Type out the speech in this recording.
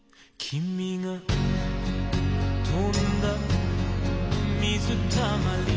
「君が跳んだ水たまりへと」